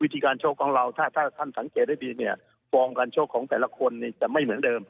วิธีการโชคของเราถ้าท่านสังเกตได้ดีเนี่ยฟอร์มการโชคของแต่ละคนจะไม่เหมือนเดิม